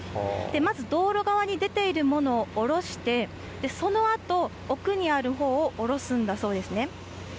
まず道路側に出ているものを降ろして、そのあと、奥にあるほうを降ろすんだそうですね。